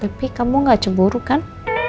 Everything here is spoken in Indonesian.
tapi kamu gak cemburu kan